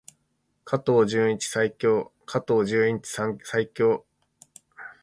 加藤純一最強！加藤純一最強！